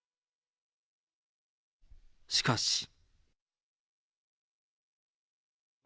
しかし。